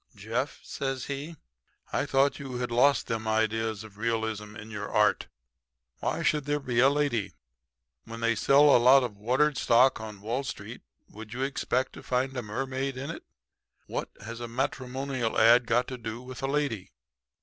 "'Jeff,' says he, 'I thought you had lost them ideas of realism in your art. Why should there be a lady? When they sell a lot of watered stock on Wall Street would you expect to find a mermaid in it? What has a matrimonial ad got to do with a lady?'